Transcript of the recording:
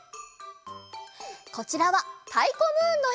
こちらは「たいこムーン」のえ。